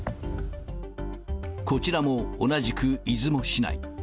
こちらも同じく出雲市内。